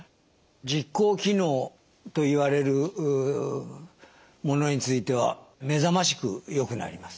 実行機能といわれるものについては目覚ましくよくなります。